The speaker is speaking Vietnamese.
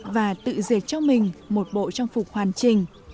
và tự dệt cho mình một bộ trang phục hoàn trình